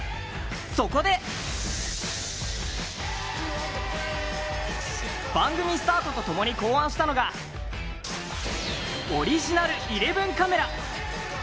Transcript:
そこで、番組スタートと共に考案したのがオリジナルイレブンカメラ。